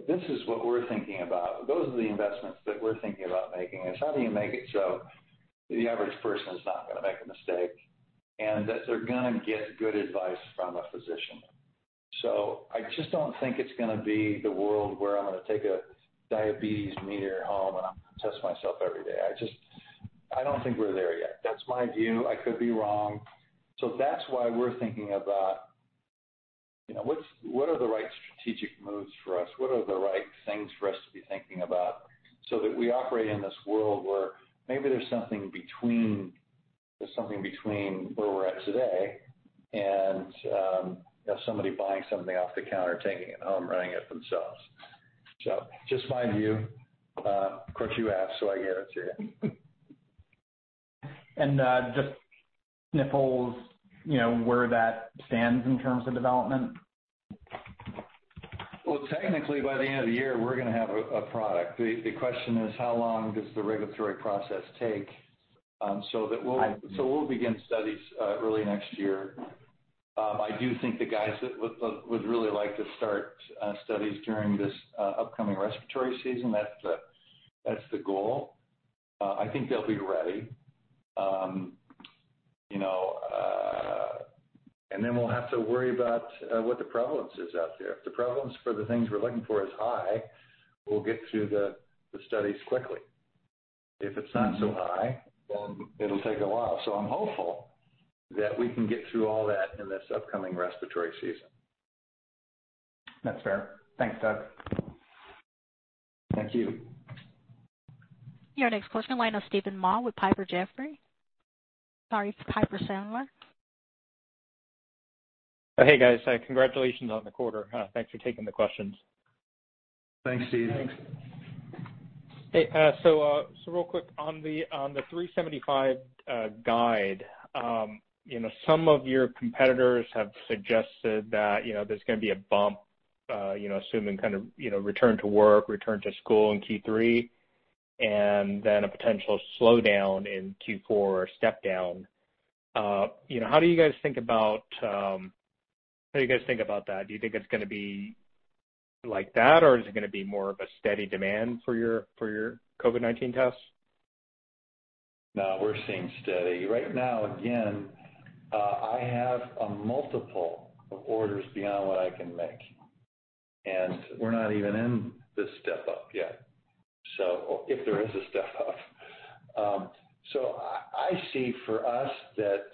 This is what we're thinking about. Those are the investments that we're thinking about making, is how do you make it so the average person is not going to make a mistake, and that they're going to get good advice from a physician. I just don't think it's going to be the world where I'm going to take a diabetes meter home, and I'm going to test myself every day. I don't think we're there yet. That's my view. I could be wrong. That's why we're thinking about what are the right strategic moves for us, what are the right things for us to be thinking about so that we operate in this world where maybe there's something between where we're at today and somebody buying something off the counter, taking it home, running it themselves. Just my view. Of course, you asked, so I gave it to you. Just Sniffles, where that stands in terms of development? Well, technically by the end of the year, we're going to have a product. The question is how long does the regulatory process take? We'll begin studies early next year. I do think the guys would really like to start studies during this upcoming respiratory season. That's the goal. I think they'll be ready. We'll have to worry about what the prevalence is out there. If the prevalence for the things we're looking for is high, we'll get through the studies quickly. If it's not so high, it'll take a while. I'm hopeful that we can get through all that in this upcoming respiratory season. That's fair. Thanks, Doug. Thank you. Your next question is in the line of Steven Mah with Piper Jaffray. Sorry, Piper Sandler. Hey, guys. Congratulations on the quarter. Thanks for taking the questions. Thanks, Steven. Thanks. Hey, real quick on the 375 guide, some of your competitors have suggested that there's going to be a bump, assuming return to work, return to school in Q3, and then a potential slowdown in Q4 or step down. How do you guys think about that? Do you think it's going to be like that, or is it going to be more of a steady demand for your COVID-19 tests? No, we're seeing steady. Right now, again, I have a multiple of orders beyond what I can make, and we're not even in the step-up yet. I see for us that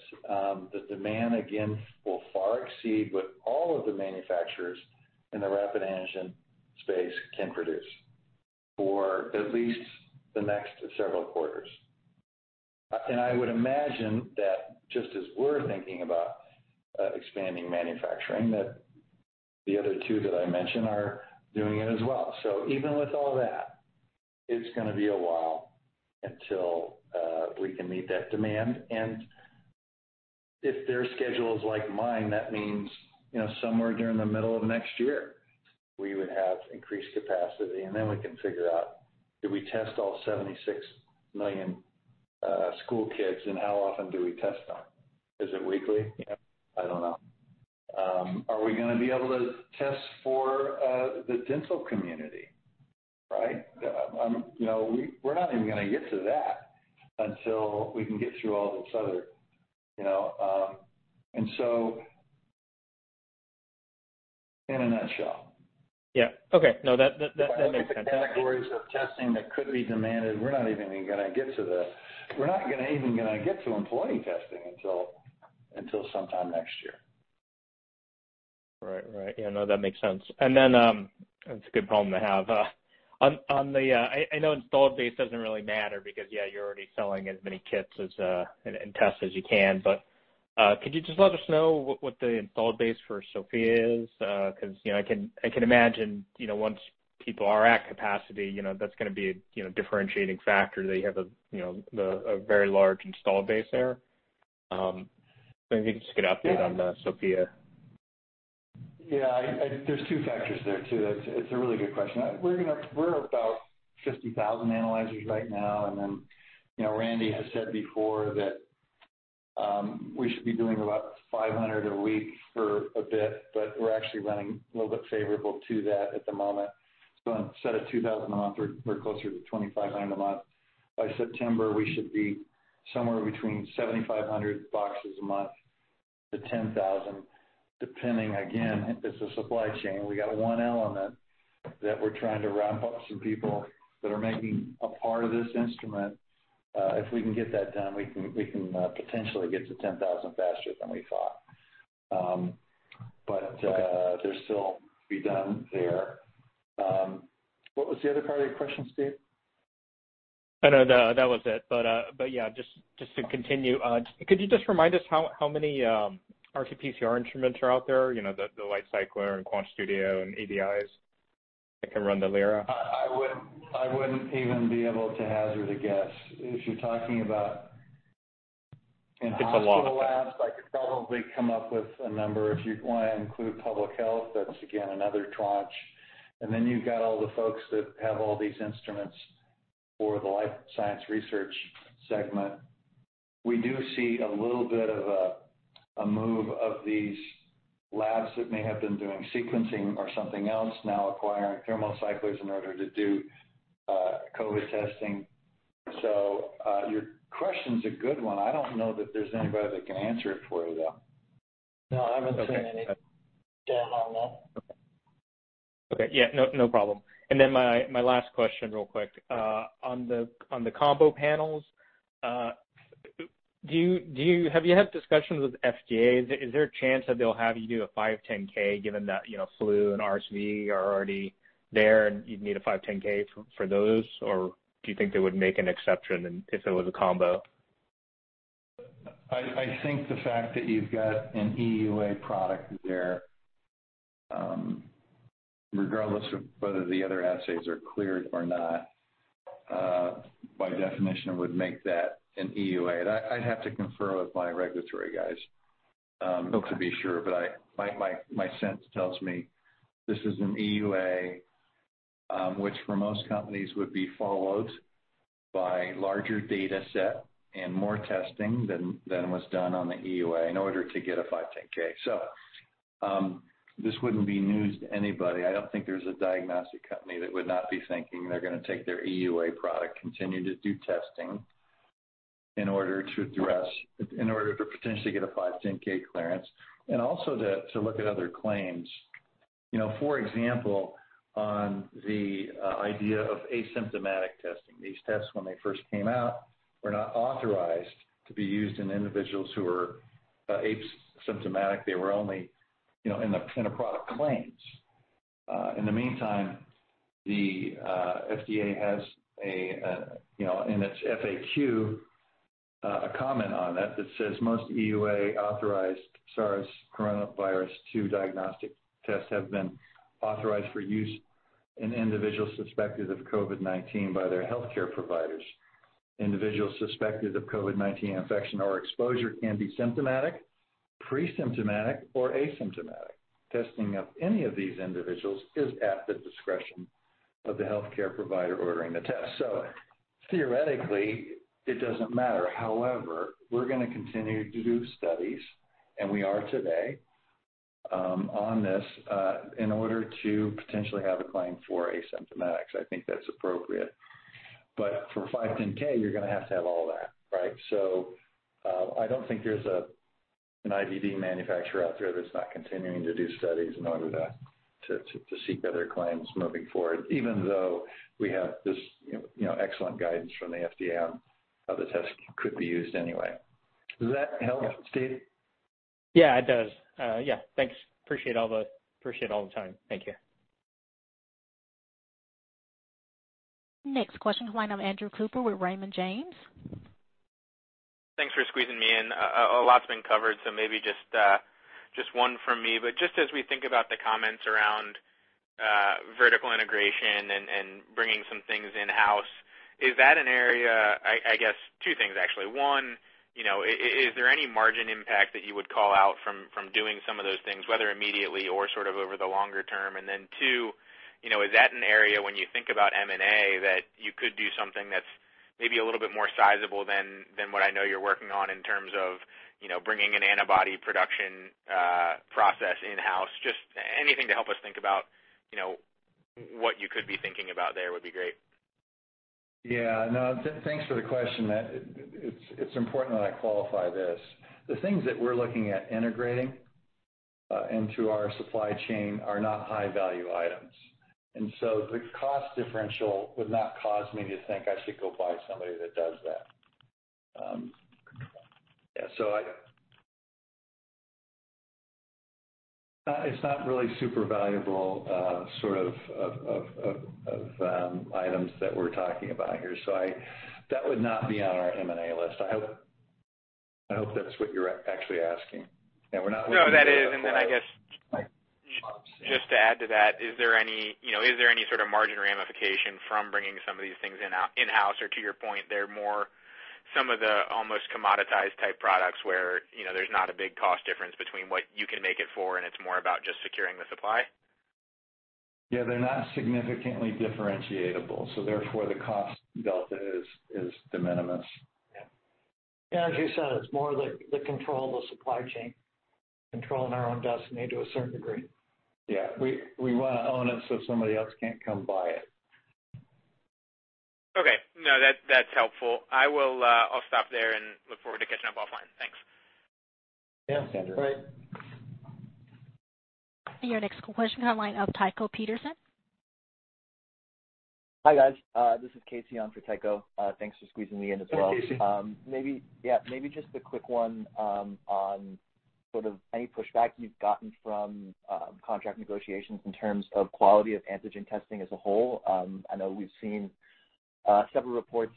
the demand, again, will far exceed what all of the manufacturers in the rapid antigen space can produce for at least the next several quarters. I would imagine that just as we're thinking about expanding manufacturing, that the other two that I mentioned are doing it as well. Even with all that, it's going to be a while until we can meet that demand. If their schedule is like mine, that means somewhere during the middle of next year, we would have increased capacity, and then we can figure out, do we test all 76 million school kids, and how often do we test them? Is it weekly? I don't know. Are we going to be able to test for the dental community, right? We're not even going to get to that until we can get through all this other. In a nutshell. Yeah. Okay. No, that makes sense. The categories of testing that could be demanded, we're not even going to get to the employee testing until sometime next year. Right. Yeah, no, that makes sense. It's a good problem to have. I know installed base doesn't really matter because, yeah, you're already selling as many kits and tests as you can, but could you just let us know what the installed base for Sofia is? Because I can imagine, once people are at capacity, that's going to be a differentiating factor, that you have a very large installed base there. If you can just give an update on Sofia. Yeah, there's two factors there too. It's a really good question. We're at about 50,000 analyzers right now, and then Randy has said before that we should be doing about 500 a week for a bit, but we're actually running a little bit favorable to that at the moment. Instead of 2,000 a month, we're closer to 2,500 a month. By September, we should be somewhere between 7,500 boxes a month to 10,000, depending, again, it's a supply chain. We've got one element that we're trying to ramp up some people that are making a part of this instrument. If we can get that done, we can potentially get to 10,000 faster than we thought. Okay. There's still to be done there. What was the other part of your question, Steve? Oh, no, that was it. Yeah, just to continue, could you just remind us how many RT-PCR instruments are out there, the LightCycler and QuantStudio and ABIs that can run the Lyra? I wouldn't even be able to hazard a guess. If you're talking about in hospital- It's a lot. labs, I could probably come up with a number. If you want to include public health, that's again, another tranche. Then you've got all the folks that have all these instruments for the life science research segment. We do see a little bit of a move of these labs that may have been doing sequencing or something else now acquiring thermal cyclers in order to do COVID testing. Your question's a good one. I don't know that there's anybody that can answer it for you, though. No, I haven't seen any data on that. Okay. Yeah, no problem. My last question real quick. On the combo panels, have you had discussions with FDA? Is there a chance that they'll have you do a 510 given that flu and RSV are already there, and you'd need a 510 for those? Do you think they would make an exception if it was a combo? I think the fact that you've got an EUA product there, regardless of whether the other assays are cleared or not, by definition, would make that an EUA. I'd have to confer with my regulatory guys. Okay to be sure, but my sense tells me this is an EUA, which for most companies would be followed by larger data set and more testing than was done on the EUA in order to get a 510. This wouldn't be news to anybody. I don't think there's a diagnostic company that would not be thinking they're going to take their EUA product, continue to do testing in order to potentially get a 510 clearance, and also to look at other claims. For example, on the idea of asymptomatic testing, these tests when they first came out were not authorized to be used in individuals who were asymptomatic. They were only in the product claims. In the meantime, the FDA has, in its FAQ, a comment on that that says, "Most EUA-authorized SARS-CoV-2 diagnostic tests have been authorized for use in individuals suspected of COVID-19 by their healthcare providers. Individuals suspected of COVID-19 infection or exposure can be symptomatic, pre-symptomatic, or asymptomatic. Testing of any of these individuals is at the discretion of the healthcare provider ordering the test." Theoretically, it doesn't matter. However, we're going to continue to do studies, and we are today on this, in order to potentially have a claim for asymptomatics. I think that's appropriate. For 510, I don't think there's an IVD manufacturer out there that's not continuing to do studies in order to seek better claims moving forward, even though we have this excellent guidance from the FDA on how the test could be used anyway. Does that help, Steve? Yeah, it does. Yeah, thanks. Appreciate all the time. Thank you. Next question, the line of Andrew Cooper with Raymond James. Thanks for squeezing me in. A lot's been covered, so maybe just one from me. Just as we think about the comments around vertical integration and bringing some things in-house, is that an area I guess two things, actually. One, is there any margin impact that you would call out from doing some of those things, whether immediately or sort of over the longer term? Two, is that an area when you think about M&A that you could do something that's maybe a little bit more sizable than what I know you're working on in terms of bringing an antibody production process in-house? Just anything to help us think about what you could be thinking about there would be great. Yeah, no, thanks for the question. It's important that I qualify this. The things that we're looking at integrating into our supply chain are not high-value items. The cost differential would not cause me to think I should go buy somebody that does that. Yeah, it's not really super valuable sort of items that we're talking about here. That would not be on our M&A list. I hope that's what you're actually asking. I guess just to add to that, is there any sort of margin ramification from bringing some of these things in-house, or to your point, they're more some of the almost commoditized type products where there's not a big cost difference between what you can make it for and it's more about just securing the supply? Yeah, they're not significantly differentiable, therefore the cost delta is de minimis. Yeah. As you said, it's more the control of the supply chain, controlling our own destiny to a certain degree. Yeah. We want to own it so somebody else can't come buy it. Okay. No, that's helpful. I'll stop there and look forward to catching up offline. Thanks. Yeah. Thanks, Andrew. All right. Your next question, line of Tycho Peterson. Hi, guys. This is Casey on for Tycho. Thanks for squeezing me in as well. Hey, Casey. Yeah, maybe just a quick one on sort of any pushback you've gotten from contract negotiations in terms of quality of antigen testing as a whole. I know we've seen several reports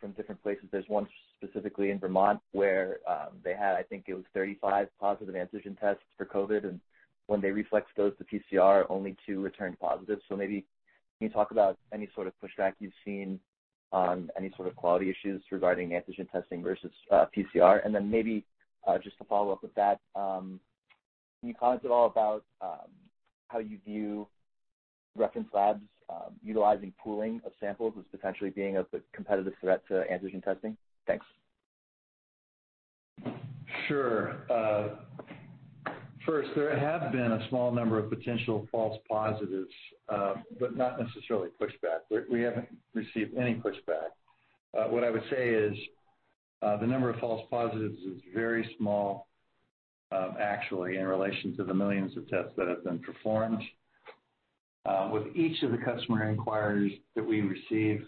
from different places. There's one specifically in Vermont where they had, I think it was 35 positive antigen tests for COVID, and when they reflexed those to PCR, only two returned positive. Maybe can you talk about any sort of pushback you've seen on any sort of quality issues regarding antigen testing versus PCR? Maybe just to follow up with that, can you comment at all about how you view reference labs utilizing pooling of samples as potentially being a competitive threat to antigen testing? Thanks. Sure. First, there have been a small number of potential false positives, not necessarily pushback. We haven't received any pushback. What I would say is the number of false positives is very small, actually, in relation to the millions of tests that have been performed. With each of the customer inquiries that we receive,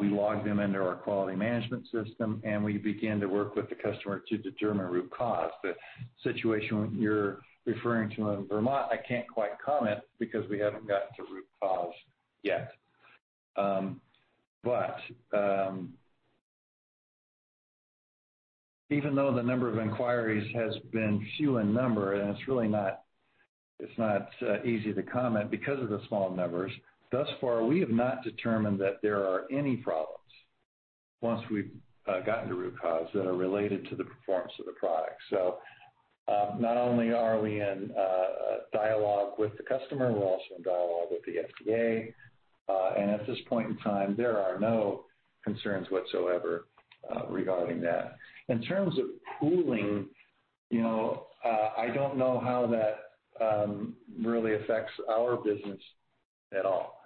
we log them into our quality management system, and we begin to work with the customer to determine root cause. The situation you're referring to in Vermont, I can't quite comment because we haven't gotten to root cause yet. Even though the number of inquiries has been few in number, and it's really not easy to comment because of the small numbers, thus far, we have not determined that there are any problems once we've gotten to root cause that are related to the performance of the product. Not only are we in dialogue with the customer, we're also in dialogue with the FDA. At this point in time, there are no concerns whatsoever regarding that. In terms of pooling, I don't know how that really affects our business at all.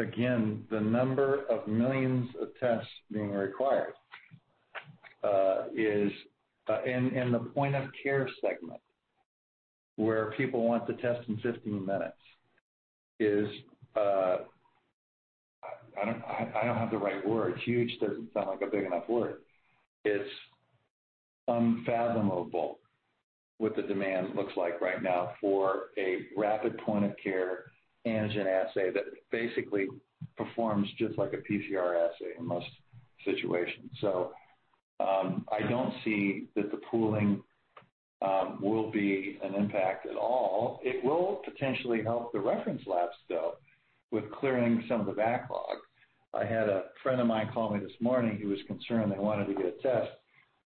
Again, the number of millions of tests being required in the point-of-care segment, where people want the test in 15 minutes, is I don't have the right word. Huge doesn't sound like a big enough word. It's unfathomable what the demand looks like right now for a rapid point-of-care antigen assay that basically performs just like a PCR assay in most situations. I don't see that the pooling will be an impact at all. It will potentially help the reference labs, though, with clearing some of the backlog. I had a friend of mine call me this morning, he was concerned and wanted to get a test.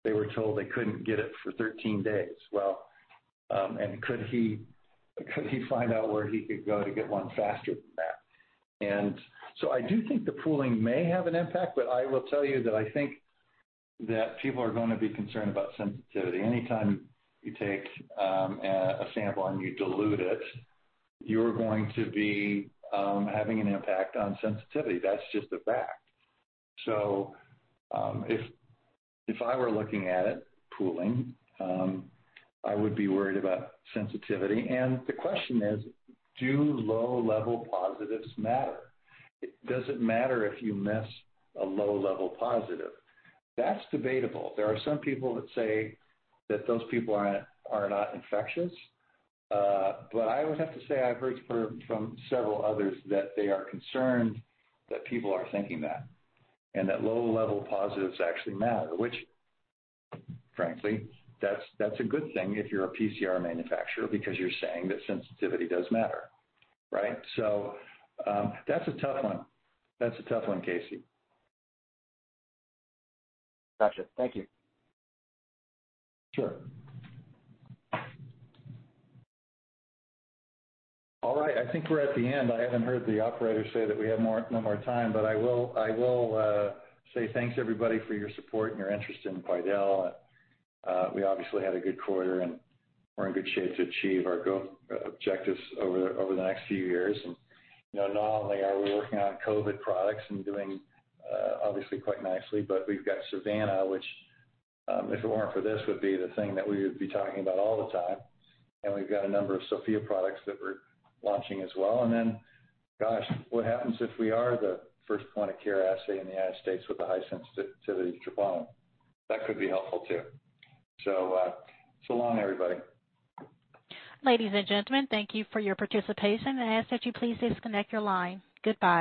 They were told they couldn't get it for 13 days. Could he find out where he could go to get one faster than that? I do think the pooling may have an impact, but I will tell you that I think that people are going to be concerned about sensitivity. Anytime you take a sample and you dilute it, you're going to be having an impact on sensitivity. That's just a fact. If I were looking at it, pooling, I would be worried about sensitivity. The question is, do low-level positives matter? Does it matter if you miss a low-level positive? That's debatable. There are some people that say that those people are not infectious. I would have to say I've heard from several others that they are concerned that people are thinking that, and that low-level positives actually matter, which frankly, that's a good thing if you're a PCR manufacturer because you're saying that sensitivity does matter, right? That's a tough one. That's a tough one, Casey. Gotcha. Thank you. Sure. All right, I think we're at the end. I haven't heard the operator say that we have no more time, but I will say thanks everybody for your support and your interest in Quidel. We obviously had a good quarter, and we're in good shape to achieve our growth objectives over the next few years. Not only are we working on COVID products and doing obviously quite nicely, but we've got Savanna, which, if it weren't for this, would be the thing that we would be talking about all the time. We've got a number of Sofia products that we're launching as well. Gosh, what happens if we are the first point-of-care assay in the U.S. with a high-sensitivity troponin? That could be helpful too. So long, everybody. Ladies and gentlemen, thank you for your participation. I ask that you please disconnect your line. Goodbye.